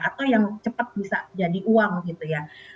atau yang cepat bisa jadi uang gitu ya